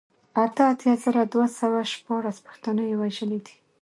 اته اتيا زره دوه سوه شپاړل پښتانه يې وژلي دي